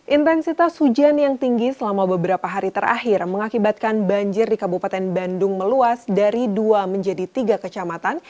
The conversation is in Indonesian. intensitas hujan yang tinggi selama beberapa hari terakhir mengakibatkan banjir di kabupaten bandung meluas dari dua menjadi tiga kecamatan